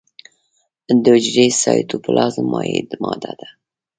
د حجرې سایتوپلازم مایع ماده ده